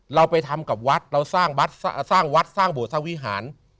เราไปทำกับวัดเราสร้างวัดสร้างวัดสร้างโบสถวิหาร